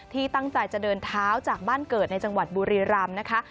ที่ตั้งใจจะเดินเท้าจากบ้านเกิดในจังหวัดบุรีรำนะคะ